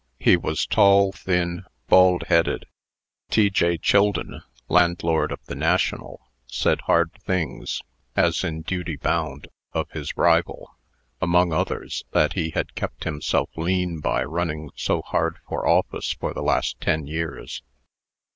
He was tall, thin, baldheaded. T.J. Childon, landlord of the "National," said hard things, as in duty bound, of his rival. Among others, that he had kept himself lean by running so hard for office for the last ten years.